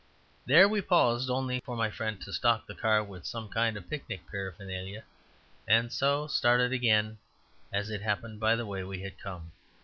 There we paused only for my friend to stock the car with some kind of picnic paraphernalia, and so started again, as it happened, by the way we had come.